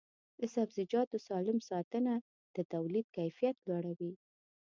د سبزیجاتو سالم ساتنه د تولید کیفیت لوړوي.